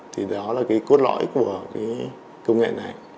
thì đó là cốt lõi của công nghệ này